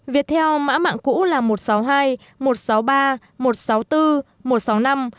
việc theo mã mạng cũ là một trăm sáu mươi hai một trăm sáu mươi ba một trăm sáu mươi bốn một trăm sáu mươi năm một trăm sáu mươi sáu